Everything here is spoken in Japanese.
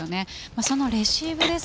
そのレシーブです。